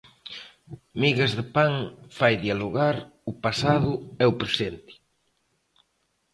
Migas de Pan fai dialogar o pasado e o presente.